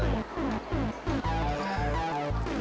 ini bunga buat kamu say